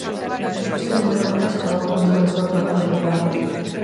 Iso non era máis ca unha mostra da súa parcialidade.